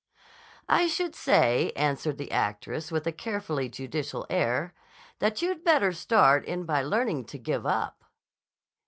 "I should say," answered the actress with a carefully judicial air, "that you'd better start in by learning to give up."